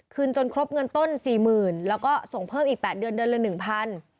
จนครบเงินต้น๔๐๐๐แล้วก็ส่งเพิ่มอีก๘เดือนเดือนละ๑๐๐บาท